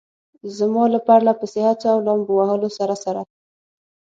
زما له پرله پسې هڅو او لامبو وهلو سره سره.